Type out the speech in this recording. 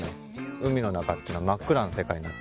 海の中ってのは真っ暗な世界になってるわけですね。